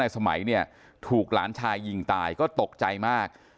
สมัยเนี่ยถูกหลานชายยิงตายก็ตกใจมาก